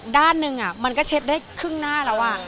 ด้านหนึ่งมันก็เช็ดได้ครึ่งหน้าแล้ว